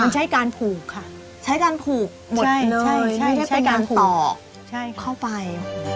ใช้การผูกค่ะใช้การผูกหมดเลยไม่ใช่ใช้การตอกเข้าไป